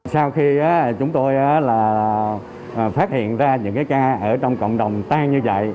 sau khi chúng tôi phát hiện ra những cái ca ở trong cộng đồng tan như vậy